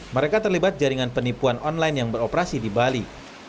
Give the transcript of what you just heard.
mereka terlibat jaringan penipuan online yang beroperasi di bali